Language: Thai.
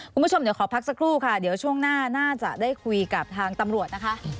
คุณผู้ชมเดี๋ยวขอพักสักครู่ค่ะเดี๋ยวช่วงหน้าน่าจะได้คุยกับทางตำรวจนะคะ